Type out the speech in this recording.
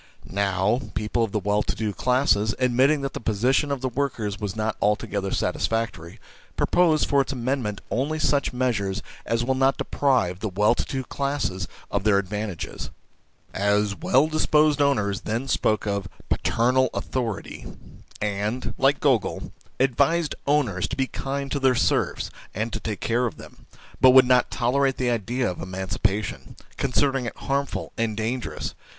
Now, people of the well to do classes, admitting that the position of the workers is not altogether satisfactory, propose for its amendment only such measures as will not deprive the well to do classes of their advantages. As well disposed owners then spoke of " paternal authority," and, like Gogol, 1 advised owners to be kind to their serfs and to take care of them, but would not tolerate the idea of emancipation, 2 considering it harmful and dangerous, just so, 1 N.